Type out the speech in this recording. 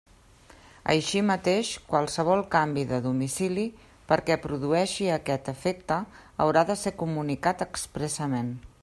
Així mateix, qualsevol canvi de domicili, perquè produeixi aquest efecte, haurà de ser comunicat expressament.